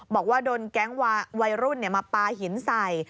บอกว่าโดนแก๊งวัยรุ่นมาปลาหินใส่